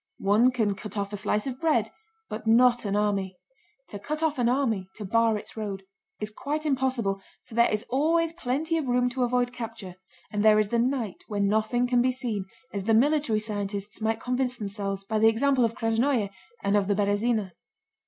One can cut off a slice of bread, but not an army. To cut off an army—to bar its road—is quite impossible, for there is always plenty of room to avoid capture and there is the night when nothing can be seen, as the military scientists might convince themselves by the example of Krásnoe and of the Berëzina.